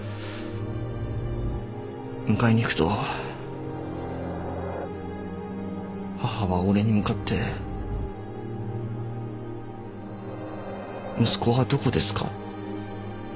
迎えに行くと母は俺に向かって「息子はどこですか？」と聞くんです。